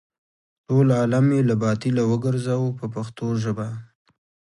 ټول عالم یې له باطله وګرځاوه په پښتو ژبه.